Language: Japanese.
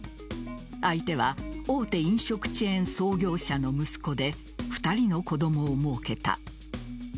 相手は大手飲食チェーン創業者の息子で２人の子供をもうけた。